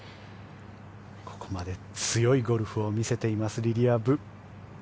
ここまで強いゴルフを見せていますリリア・ブ。